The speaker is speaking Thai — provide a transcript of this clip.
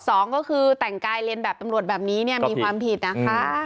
สองก็คือแต่งกายเรียนแบบตำรวจแบบนี้เนี่ยมีความผิดนะคะ